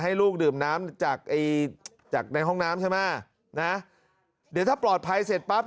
ให้ลูกดื่มน้ำจากจากในห้องน้ำใช่ไหมนะเดี๋ยวถ้าปลอดภัยเสร็จปั๊บ